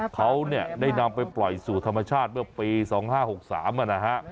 เขาเนี่ยได้นำไปปล่อยสู่ธรรมชาติเมื่อปี๒๕๖๓นะฮะ